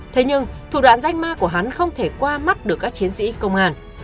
thế nhưng thủ đoạn rách ma của hắn không thể qua mắt được các chiến sĩ công an